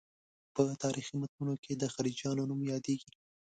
په تاریخي متونو کې د خلجیانو نوم یادېږي.